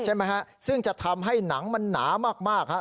ใช่ไหมฮะซึ่งจะทำให้หนังมันหนามากฮะ